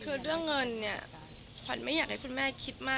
คือเรื่องเงินเนี่ยขวัญไม่อยากให้คุณแม่คิดมาก